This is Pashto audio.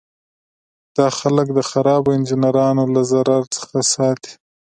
دا خلک د خرابو انجینرانو له ضرر څخه ساتي.